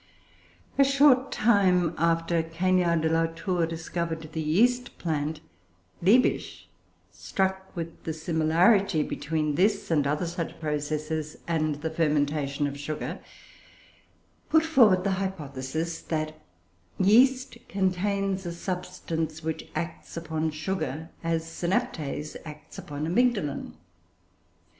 A short time after Cagniard de la Tour discovered the yeast plant, Liebig, struck with the similarity between this and other such processes and the fermentation of sugar, put forward the hypothesis that yeast contains a substance which acts upon sugar, as synaptase acts upon amygdalin.